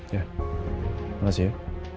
ya makasih ya